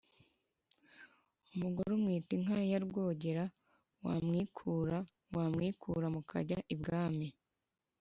Umugore umwita inka ya Rwogera wamwikura wamwikura mukajya i bwami.